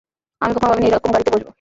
আমি কখনো ভাবিনি এরকম গাড়িতে বসবো।